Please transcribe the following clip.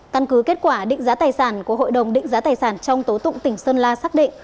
căn cứ kết quả định giá tài sản của hội đồng định giá tài sản trong tố tụng tỉnh sơn la xác định